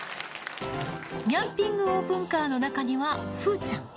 ニャンピングオープンカーの中には、風ちゃん。